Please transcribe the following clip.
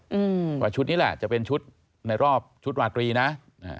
อืมว่าชุดนี้แหละจะเป็นชุดในรอบชุดวาตรีนะอ่า